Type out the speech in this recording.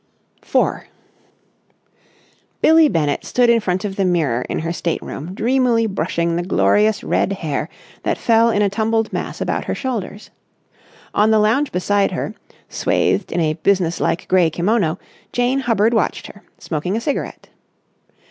§ 4 Billie Bennett stood in front of the mirror in her state room dreamily brushing the glorious red hair that fell in a tumbled mass about her shoulders. On the lounge beside her, swathed in a business like grey kimono, Jane Hubbard watched her, smoking a cigarette.